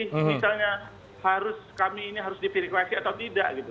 misalnya harus kami ini harus diverifikasi atau tidak gitu